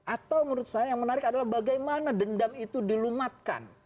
atau menurut saya yang menarik adalah bagaimana dendam itu dilumatkan